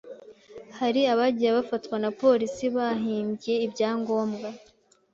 hari abagiye bafatwa na polisi bahimbye ibyangombwa